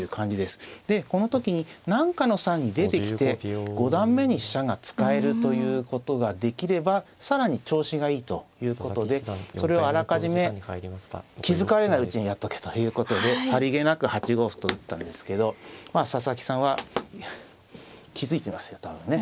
でこの時に何かの際に出てきて五段目に飛車が使えるということができれば更に調子がいいということでそれをあらかじめ気付かれないうちにやっとけということでさりげなく８五歩と打ったんですけど佐々木さんは気付いていますよ多分ね。